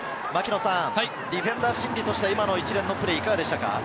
ディフェンダー心理としては今の一連のプレーどうでしたか？